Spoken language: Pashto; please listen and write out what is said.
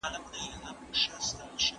سړې شپې يې تېرولې په خپل غار كي